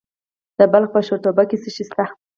د بلخ په شورتپه کې څه شی شته؟